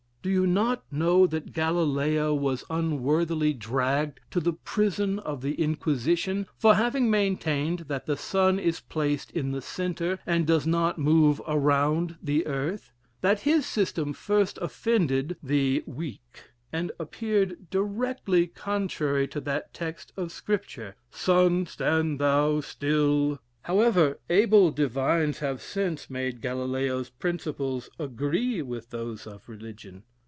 Do you not know that Galileo was unworthily dragged to the prison of the Inquisition, for having maintained that the sun is placed in the centre, and does not move around the earth; that his system first offended the weak, and appeared directly contrary to that text of Scripture 'Sun, stand thou still?' However, able divines have since made Galileo's principles agree with those of religion.